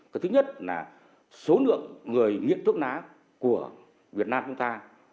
cái thứ nhất là số lượng người nghiện thuốc lá của việt nam chúng ta